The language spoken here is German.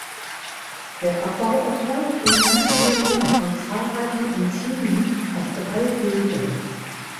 Der Abbau erfolgt unter Mitwirkung von zahlreichen Enzymen auf drei Wegen.